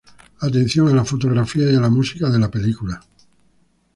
Atención a la fotografía y a la música de la película.